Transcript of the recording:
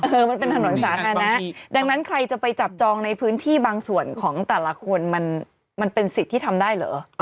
มันเป็นถนนสาธารณะดังนั้นใครจะไปจับจองในพื้นที่บางส่วนของแต่ละคนมันเป็นสิทธิ์ที่ทำได้เหรอ